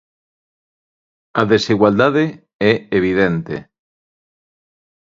A desigualdade é evidente.